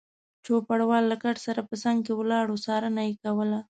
چوپړوال له کټ سره په څنګ کې ولاړ و، څارنه یې کوله.